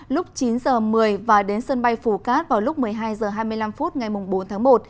lúc chín h một mươi và đến sân bay phú cát vào lúc một mươi hai h hai mươi năm phút ngày bốn tháng một